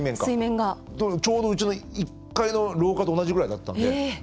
ちょうど、うちの１階の廊下と同じぐらいだったので。